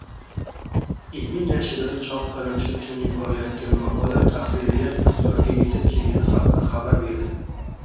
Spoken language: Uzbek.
ilmiy nashrida chop qilinishi uchun yuborilayotgan maqola tahririyat ixtiyoriga yetib kelgani haqida xabar berdi.